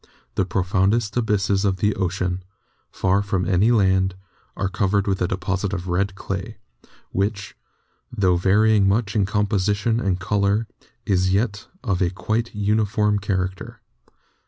The profoundest abysses of the ocean, far from any land, are covered with a deposit of red clay, which, tho varying much in composition and color, is yet of a quite uniform character.